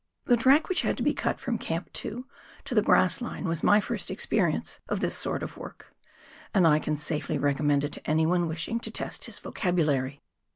The track which had to be cut from Camp 2 to the grass line was my first experience of this sort of work, and I can safely recommend it to any one wishing to test his vocabulary.